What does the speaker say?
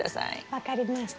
分かりました。